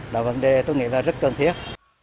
đó vấn đề tôi nghĩ là rất cần thiết